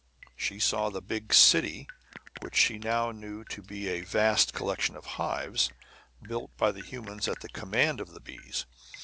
She saw the big "city," which she now knew to be a vast collection of hives, built by the humans at the command of the bees.